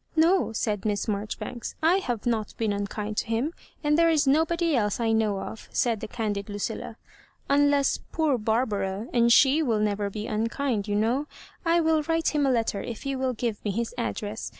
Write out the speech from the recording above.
" No," said Miss Marioribanks ;"/ have not been unkind to him ; and there is nobody else I know of,'* said the candid Lucilla, ^ unless poor Barbara; and tike will never be unkind, you know. I will write him a letter if you will give me his address.